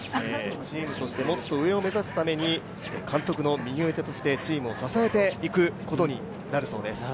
チームとしてもっと上を目指すために監督の右腕としてチームを支えていくことになるそうです。